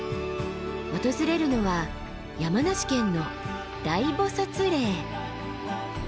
訪れるのは山梨県の大菩嶺。